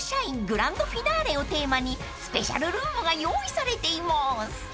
グランドフィナーレをテーマにスペシャルルームが用意されています］